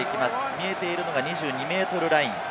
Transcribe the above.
見えているのが２２ｍライン。